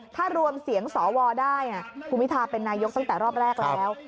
ถ้ารวมเสียงสวได้คุณพิทาเป็นนายกตั้งแต่รอบแรกแล้ว